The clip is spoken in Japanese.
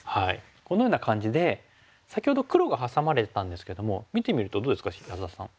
このような感じで先ほど黒がハサまれてたんですけども見てみるとどうですか安田さん。